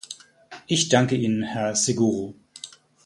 Ich danke Ihnen, Herr Seguro.